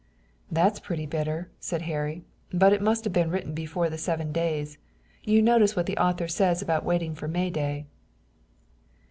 "That's pretty bitter," said Harry, "but it must have been written before the Seven Days. You notice what the author says about waiting for May day."